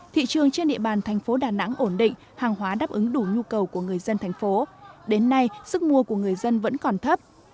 thị trường trên địa bàn thành phố đà nẵng ổn định hàng hóa đáp ứng đủ nhu cầu của người dân thành phố đến nay sức mua của người dân vẫn còn thấp